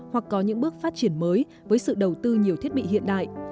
hoặc có những bước phát triển mới với sự đầu tư nhiều thiết bị hiện đại